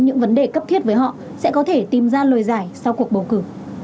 những vấn đề cấp thiết với họ sẽ có thể tìm ra lời giải sau cuộc bầu cử